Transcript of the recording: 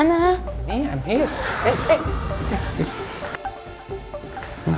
kita gitu dong